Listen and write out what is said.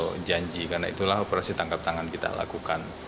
itu janji karena itulah operasi tangkap tangan kita lakukan